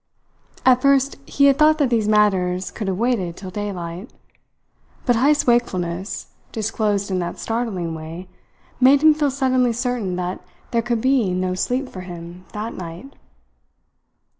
At first he had thought that these matters could have waited till daylight; but Heyst's wakefulness, disclosed in that startling way, made him feel suddenly certain that there could be no sleep for him that night.